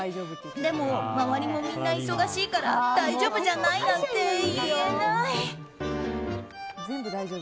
でも周りもみんな忙しいから大丈夫じゃないなんて言えない！